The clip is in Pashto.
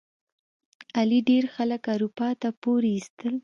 علي ډېر خلک اروپا ته پورې ایستل.